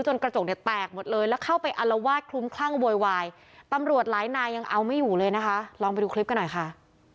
กระจกเนี่ยแตกหมดเลยแล้วเข้าไปอลวาดคลุ้มคลั่งโวยวายตำรวจหลายนายยังเอาไม่อยู่เลยนะคะลองไปดูคลิปกันหน่อยค่ะ